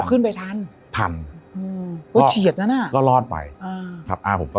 ขึ้นไปทันทันก็เฉียดนะอัน่ะครับอ้าวผมก็รอดไป